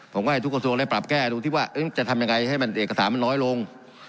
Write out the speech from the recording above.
ผมว่าทุกข์กระทรวงปรับแก้ดูดูว่าจะทำยังไงให้เอกสารมันน้อยลง